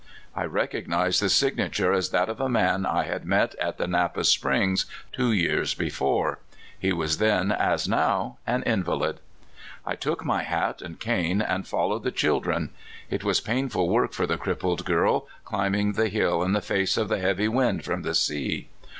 I recognized the signature as that of a man [ had met at the Napa Springs two years before; he was then, as now, an invalid. I took my hat and cane, and followed the chil dren. It was painful work for the crippled girl, climbing the hill in the face of the heavy wind from the sea.